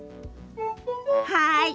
はい。